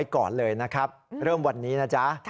ครับเริ่มวันนี้นะจ๊ะ